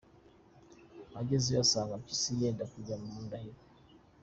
Agezeyo asanga Mpyisi yenda kujya kwa Ndahiro.